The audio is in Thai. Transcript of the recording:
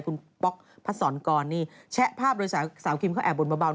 เมื่อกี้ระหว่างใจคุณป๊อกพระสรรค์กรแชะภาพโดยสาวครีมเขาแอบบนเบา